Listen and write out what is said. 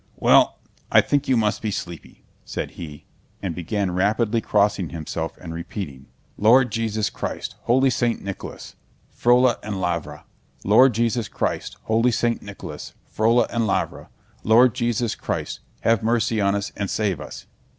"Well, I think you must be sleepy," said he, and began rapidly crossing himself and repeating: "Lord Jesus Christ, holy Saint Nicholas, Frola and Lavra! Lord Jesus Christ, holy Saint Nicholas, Frola and Lavra! Lord Jesus Christ, have mercy on us and save us!"